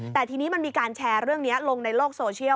แต่ทีนี้มันมีการแชร์เรื่องนี้ลงในโลกโซเชียล